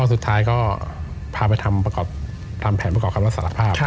สุดท้ายก็พาไปทำแผนพระกอบคำว่าสารภาพ